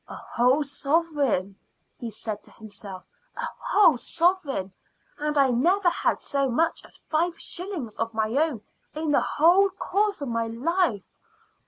"A whole sovereign," he said to himself "a whole sovereign, and I never had so much as five shillings of my own in the whole course of my life.